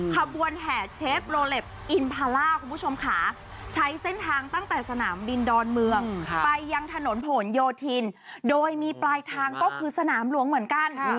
ขบวนแห่เชฟโลเล็บอินพาล่าคุณผู้ชมค่ะใช้เส้นทางตั้งแต่สนามบินดอนเมืองไปยังถนนผลโยธินโดยมีปลายทางก็คือสนามหลวงเหมือนกัน